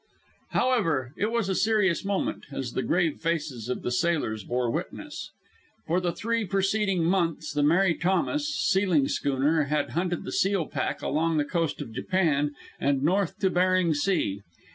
However, it was a serious moment, as the grave faces of the sailors bore witness. For the three preceding months the Mary Thomas sealing schooner, had hunted the seal pack along the coast of Japan and north to Bering Sea.